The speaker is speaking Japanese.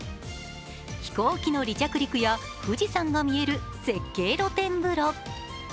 飛行機の離着陸や富士山が見える絶景露天風呂。